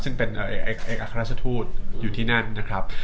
ซึ่งเป็นเอกอัครราชทูตอยู่ที่นั่นนะครับ